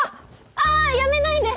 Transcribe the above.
ああやめないで！